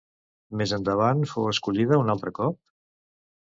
Més endavant fou escollida un altre cop?